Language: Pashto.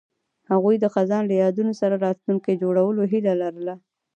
هغوی د خزان له یادونو سره راتلونکی جوړولو هیله لرله.